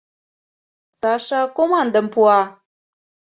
Саша командым пуа: